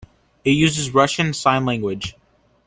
It uses Russian Sign Language.